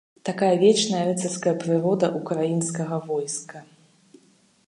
Такая вечная рыцарская прырода ўкраінскага войска.